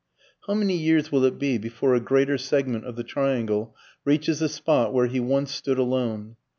"] How many years will it be before a greater segment of the triangle reaches the spot where he once stood alone?